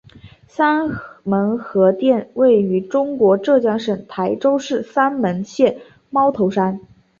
三门核电站位于中国浙江省台州市三门县猫头山。